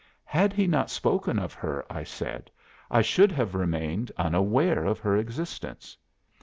'Had he not spoken of her,' I said, 'I should have remained unaware of her existence.